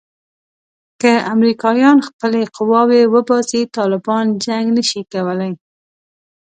که امریکایان خپلې قواوې وباسي طالبان جنګ نه شي کولای.